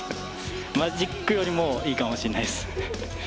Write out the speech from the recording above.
マジックよりもいいかもしんないです。